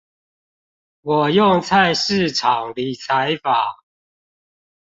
我用菜市場理財法